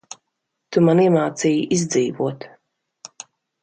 Tu man iemācīji izdzīvot.